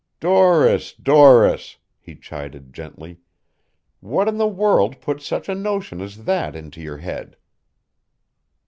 "Doris, Doris," he chided gently. "What in the world put such a notion as that into your head?"